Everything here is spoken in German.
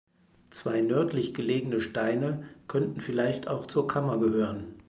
Zwei nördlich gelegene Steine könnten vielleicht auch zur Kammer gehören.